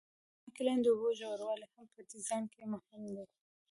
د ځمکې لاندې اوبو ژوروالی هم په ډیزاین کې مهم دی